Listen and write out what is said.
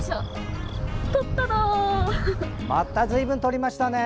またずいぶんとりましたね。